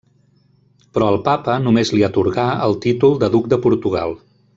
Però el Papa només li atorgà el títol de duc de Portugal.